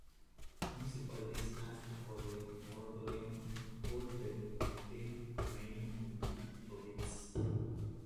Municipalities asked for a moratorium on coal-bed methane mining in the province.